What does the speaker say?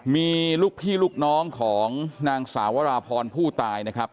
มีลูกพี่ลูกน้องของนางสาวราพรผู้ตายนะครับ